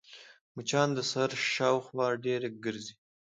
مچان د سر شاوخوا ډېر ګرځي